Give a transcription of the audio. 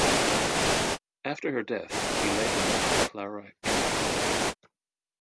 After her death, he later married Clara Caron.